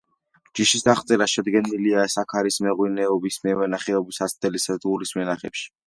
ჯიშის აღწერა შედგენილია საქარის მეღვინეობა მევენახეობის საცდელი სადგურის ვენახებში.